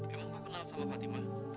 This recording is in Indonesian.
emang gue kenal sama fatima